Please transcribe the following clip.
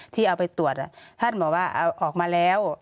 ที่เอาไปตรวจท่านบอกว่าเอาออกมาแล้ว